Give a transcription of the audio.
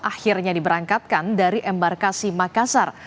akhirnya diberangkatkan dari m barkasi makassar